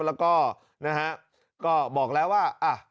แล้วก็นะฮะก็บอกแล้วว่า